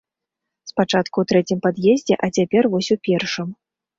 Спачатку ў трэцім пад'ездзе, а цяпер вось у першым.